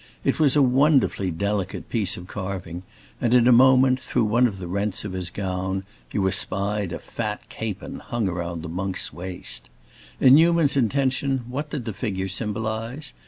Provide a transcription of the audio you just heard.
It was a wonderfully delicate piece of carving, and in a moment, through one of the rents of his gown, you espied a fat capon hung round the monk's waist. In Newman's intention what did the figure symbolize?